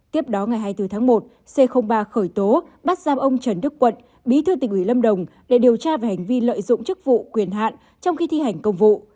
tiếp đó ngày hai mươi bốn tháng một c ba khởi tố bắt giam ông trần đức quận bí thư tỉnh ủy lâm đồng để điều tra về hành vi lợi dụng chức vụ quyền hạn trong khi thi hành công vụ